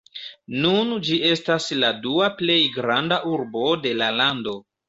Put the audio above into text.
Nun ĝi estas la dua plej granda urbo de la lando.